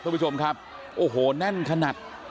คุณผู้ชมครับโอ้โหแน่นขนาด